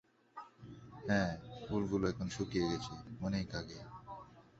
বাহার তার বাচ্চাদের জন্য নিজের জীবনের মায়া ছেড়ে দিয়েছেন।